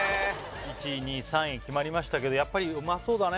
１位２位３位決まりましたけどやっぱりうまそうだね